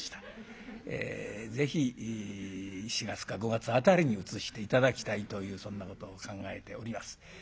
えぜひ４月か５月辺りに移して頂きたいというそんなことを考えております。